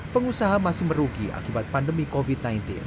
pengusaha masih merugi akibat pandemi covid sembilan belas